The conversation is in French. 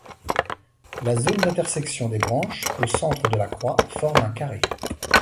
La zone d'intersection des branches, au centre de la croix, forme un carré.